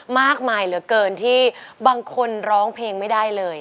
มากมายเหลือเกินที่บางคนร้องเพลงไม่ได้เลย